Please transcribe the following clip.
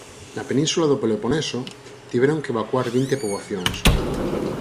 Na península do Peloponeso, tiveron que evacuar vinte poboacións.